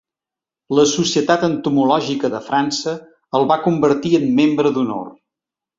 La Societat Entomològica de França el va convertir en membre d'honor.